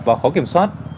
và khó kiểm soát